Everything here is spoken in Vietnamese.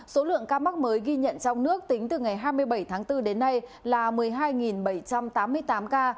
số lượng ca mắc mới ghi nhận trong nước tính từ ngày hai mươi bảy tháng bốn đến nay là một mươi hai bảy trăm tám mươi tám ca